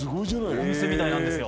お店みたいなんですよ。